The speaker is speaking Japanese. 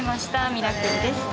ミラクルです。